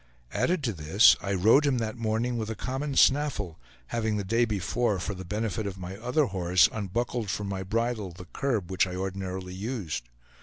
Added to this, I rode him that morning with a common snaffle, having the day before, for the benefit of my other horse, unbuckled from my bridle the curb which I ordinarily used.